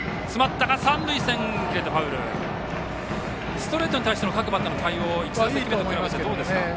ストレートに対しての各バッターの対応は１打席目と比べましてどうでしょうか。